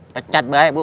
pecat baik bu